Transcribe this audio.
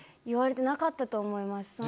言われてなかったと思います。